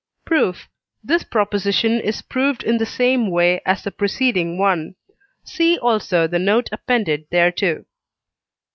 Proof. This proposition is proved in the same way as the preceding one. See also the note appended thereto.